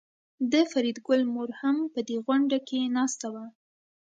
د فریدګل مور هم په دې غونډه کې ناسته وه